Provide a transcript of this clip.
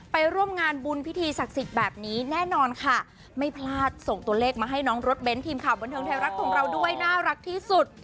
ไปร่วมงานบุญพิธีศักดิ์สิทธิ์แบบนี้แน่นอนค่ะไม่พลาดส่งตัวเลขมาให้น้องรถเน้นทีมข่าวบันเทิงไทยรัฐของเราด้วยน่ารักที่สุด